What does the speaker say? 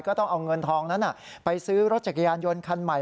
ต้องเอาเงินทองนั้นไปซื้อรถจักรยานยนต์คันใหม่